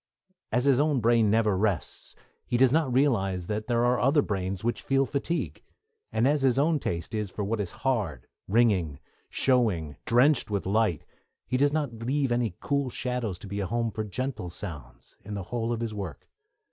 As his own brain never rests, he does not realise that there are other brains which feel fatigue; and as his own taste is for what is hard, ringing, showy, drenched with light, he does not leave any cool shadows to be a home for gentle sounds, in the whole of his work.